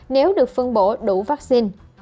nếu được phân bổ đủ vaccine